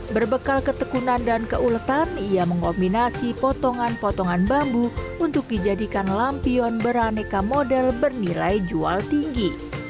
berbekal ketekunan dan keuletan ia mengombinasi potongan potongan bambu untuk dijadikan lampion beraneka model bernilai jual tinggi